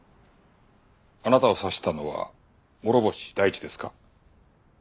あなたを刺したのは諸星大地ですか？